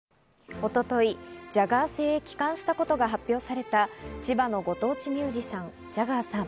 一昨日ジャガー星へ帰還したことが発表された、千葉のご当地ミュージシャン、ジャガーさん。